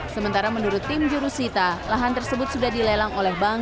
sementara menurut tim jurusita lahan tersebut sudah dilelang oleh bank